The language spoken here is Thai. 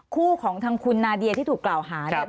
คู่ของทางคุณนาเดียที่ถูกกล่าวหาเนี่ย